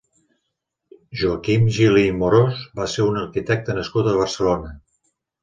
Joaquim Gili i Morós va ser un arquitecte nascut a Barcelona.